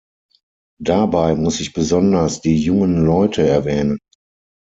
Dabei muss ich besonders die jungen Leute erwähnen.